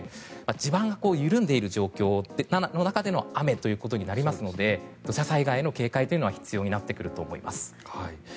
地盤が緩んでいる状況の中での雨ということになりますので土砂災害への警戒は必要になってくると思います。